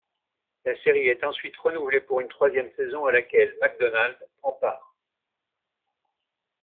La série est ensuite renouvelée pour une troisième saison à laquelle McDonald prend part.